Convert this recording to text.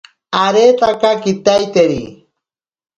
Aretaka kitaiteri.